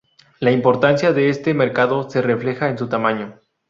La importancia de este mercado se refleja en su tamaño.